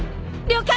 了解！